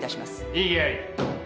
異議あり。